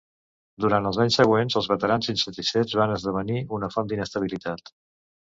Durant els anys següents, els veterans insatisfets van esdevenir una font d'inestabilitat.